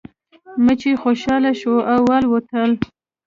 مچۍ خوشحاله شوه او والوتله.